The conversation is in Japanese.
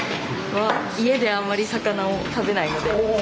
家であんまり魚を食べないので。